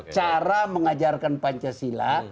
cara mengajarkan pancasila